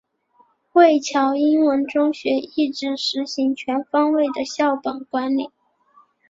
惠侨英文中学一直实行全方位的校本管理。